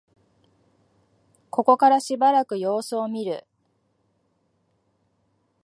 ここからしばらく様子を見る